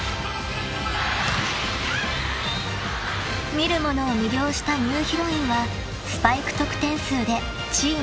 ［見る者を魅了したニューヒロインはスパイク得点数でチーム２位］